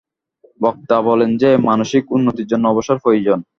বক্তা বলেন যে, মানসিক উন্নতির জন্য অবসর প্রয়োজন।